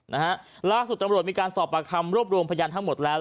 นะฮะล่าสุดตำรวจมีการสอบปากคำรวบรวมพยานทั้งหมดแล้ว